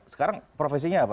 sekarang profesinya apa